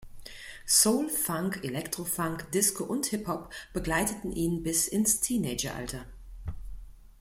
Soul, Funk, Electro Funk, Disco und Hip-Hop begleiteten ihn bis ins Teenager-Alter.